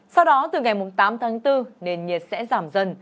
sau đó từ ngày tám tháng bốn nền nhiệt sẽ giảm dần